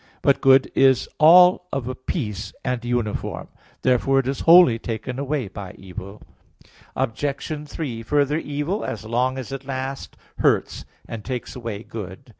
But good is all of a piece and uniform. Therefore it is wholly taken away by evil. Obj. 3: Further, evil, as long as it lasts, hurts, and takes away good.